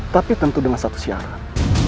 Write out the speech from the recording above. tapi tentu dengan satu syarat